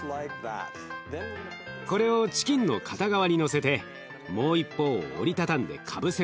これをチキンの片側にのせてもう一方を折りたたんでかぶせます。